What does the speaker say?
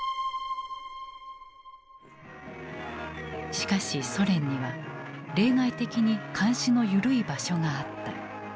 しかしソ連には例外的に監視の緩い場所があった。